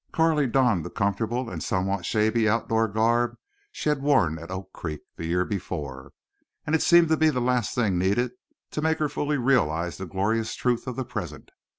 Carley donned the comfortable and somewhat shabby outdoor garb she had worn at Oak Creek the year before; and it seemed to be the last thing needed to make her fully realize the glorious truth of the present.